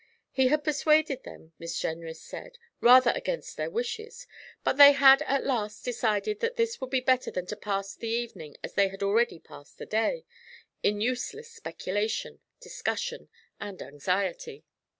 He had persuaded them, Miss Jenrys said, rather against their wishes, but they had at last decided that this would be better than to pass the evening as they had already passed the day, in useless speculation, discussion, and anxiety.